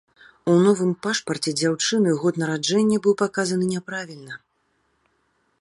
У новым пашпарце дзяўчыны год нараджэння быў паказаны няправільна.